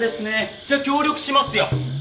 じゃあ協力しますよ。